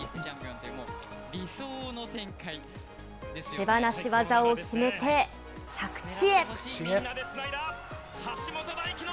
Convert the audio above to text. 手放し技を決めて、着地へ。